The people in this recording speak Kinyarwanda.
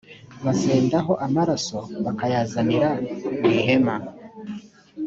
bazendaho amaraso bakayazanira mu ihema